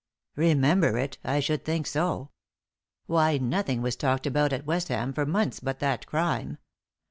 "Remember it! I should think so. Why, nothing was talked about at Westham for months but that crime.